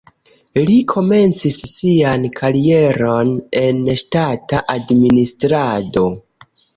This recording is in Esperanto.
Li komencis sian karieron en ŝtata administrado.